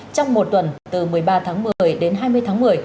trong một tuần từ một mươi ba tháng một mươi đến hai mươi tháng một mươi